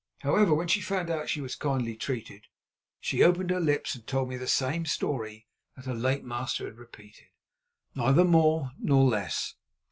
However, when she found that she was kindly treated, she opened her lips and told me the same story that her late master had repeated, neither more nor less.